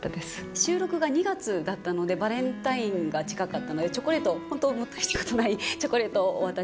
収録が２月だったのでバレンタインが近かったのでチョコレートをほんと大したことないチョコレートをお渡しさせて頂いて。